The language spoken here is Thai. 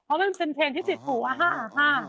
เพราะมันเป็นเพลงที่สิทธิ์ถูกอะฮ่าอะฮ่า